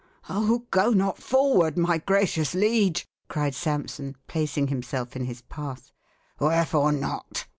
"Oh, go not forward, my gracious liege!" cried Sampson, placing himself in his path. "Wherefore not?"